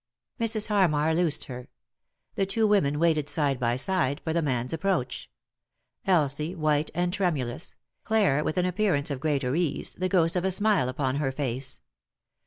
Mrs. Harmar loosed her. The two women waited tide by side for the man's approach — Elsie white and tremulous, Clare with an appearance of greater ease, the ghost of a smile upon her face.